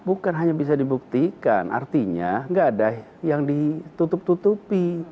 bukan hanya bisa dibuktikan artinya nggak ada yang ditutup tutupi